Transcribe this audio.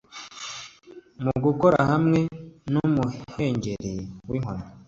Mugukora hamwe numuhengeri winkoni